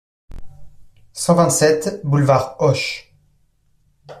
cent vingt-sept boulevard Hoche